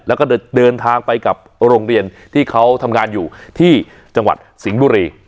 แล้วก็เดินทางไปกับโรงเรียนที่เขาทำงานอยู่ที่จังหวัดสิงห์บุรี